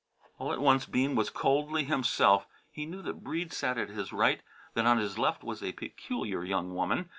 All at once Bean was coldly himself. He knew that Breede sat at his right; that on his left was a peculiar young woman.